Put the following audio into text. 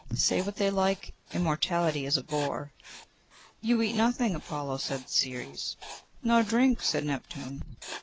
Say what they like, immortality is a bore.' 'You eat nothing, Apollo,' said Ceres. 'Nor drink,' said Neptune.